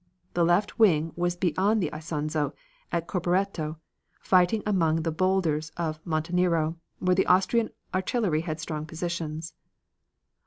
The left wing was beyond the Isonzo, at Caporetto, fighting among the boulders of Monte Nero, where the Austrian artillery had strong positions.